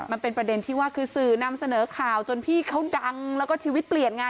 มันเป็นประเด็นที่ว่าคือสื่อนำเสนอข่าวจนพี่เขาดังแล้วก็ชีวิตเปลี่ยนไง